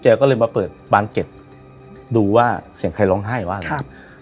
ก็เลยมาเปิดบานเก็ตดูว่าเสียงใครร้องไห้ว่าอะไรครับ